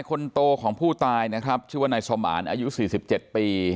คนโตของผู้ตายนะครับชื่อว่านายสมานอายุ๔๗ปี